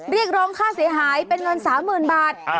เรียกร้องค่าเสียหายเป็นเงิน๓๐๐๐บาท